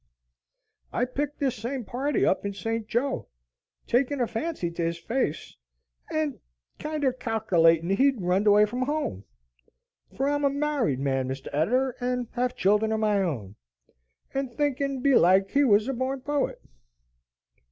"I picked this same party up in St. Jo., takin' a fancy to his face, and kinder calklating he'd runn'd away from home, for I'm a married man, Mr. Editor, and hev children of my own, and thinkin' belike he was a borned poet."